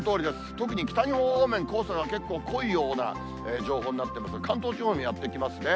特に北日本方面、黄砂が結構濃いような情報になってますが、関東地方にもやってきますね。